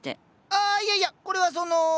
あいやいやこれはその。